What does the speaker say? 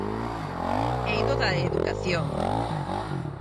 Eido da educación.